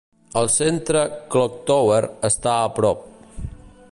El centre Clocktower està a prop.